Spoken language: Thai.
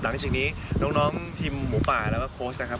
หลังจากนี้น้องทีมหมูป่าแล้วก็โค้ชนะครับ